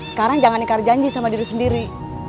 sekarang jangan nikar janji sama diri sendiri